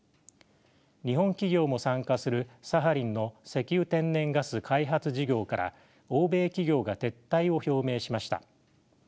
日本企業も参加するサハリンの石油・天然ガス開発事業から欧米企業が撤退を表明しました。